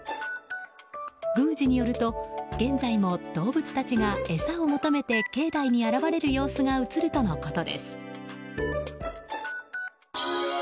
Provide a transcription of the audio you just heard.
宮司によると現在も動物たちが餌を求めて境内に現れる様子が映るとのことです。